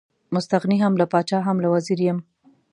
مستغني هم له پاچا هم له وزیر یم.